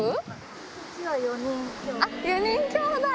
こっちは４人きょうだい。